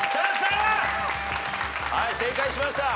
はい正解しました！